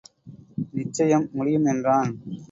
நிச்சயம் முடியும் என்றான்.